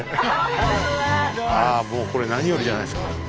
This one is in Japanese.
ああもうこれは何よりじゃないですか。